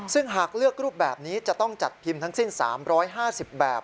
ซึ่งหากเลือกรูปแบบนี้จะต้องจัดพิมพ์ทั้งสิ้น๓๕๐แบบ